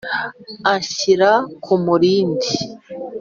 Ashyira ku murindi